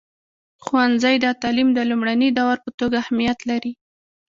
ښوونځی د تعلیم د لومړني دور په توګه اهمیت لري.